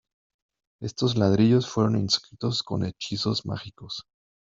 Estos ladrillos fueron inscritos con hechizos mágicos.